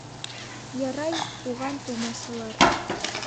— Ярай, туған-тыумасалар.